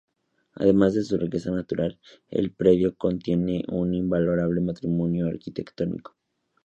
Además de su riqueza natural, el predio contiene un invalorable patrimonio arquitectónico.